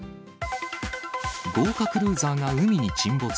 豪華クルーザーが海に沈没。